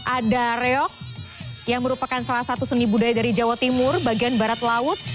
ada reok yang merupakan salah satu seni budaya dari jawa timur bagian barat laut